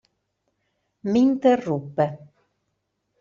M'interruppe.